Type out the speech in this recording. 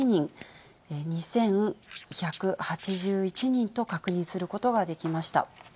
２１８１人と確認することができました。